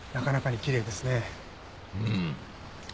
うん。